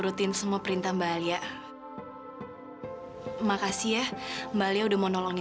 kayaknya gue gak bakal bisa tenang